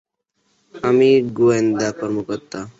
আমি গোয়েন্দা কর্মকর্তা।